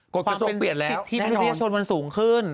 กฎประสบความเป็นสิทธิ์ที่พิเศษชนมันสูงขึ้น